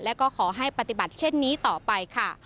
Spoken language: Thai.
และก็ขอให้ปฏิบัติเช่นนี้ต่อไปค่ะ